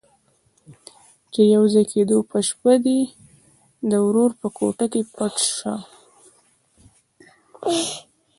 چې د يوځای کېدو په شپه دې د ورور په کوټه کې پټ شه.